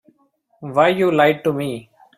Why, you lied to me.